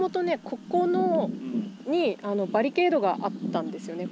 ここにバリケードがあったんですよね。